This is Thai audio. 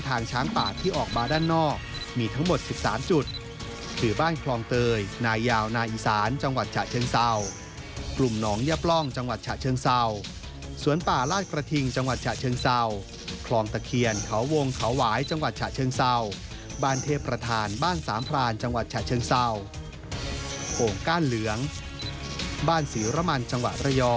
ช้างป่าที่ออกมาด้านนอกมีทั้งหมด๑๓จุดคือบ้านคลองเตยนายาวนาอีสานจังหวัดฉะเชิงเศร้ากลุ่มหนองยับร่องจังหวัดฉะเชิงเศร้าสวนป่าลาดกระทิงจังหวัดฉะเชิงเศร้าคลองตะเคียนเขาวงเขาหวายจังหวัดฉะเชิงเศร้าบ้านเทพประธานบ้านสามพรานจังหวัดฉะเชิงเศร้าโอ่งก้านเหลืองบ้านศรีระมัน